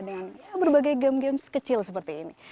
dengan berbagai game games kecil seperti ini